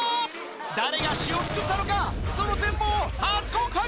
誰が詩を作ったのか、その全貌を初告白。